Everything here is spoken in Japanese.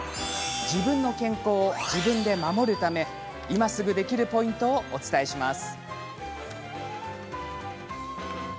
自分の健康、自分で守るため今すぐできるポイントをお伝えします。